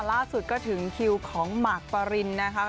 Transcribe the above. ล่าสุดก็ถึงคิวของหมากปรินนะคะ